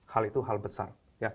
hal itu hal besar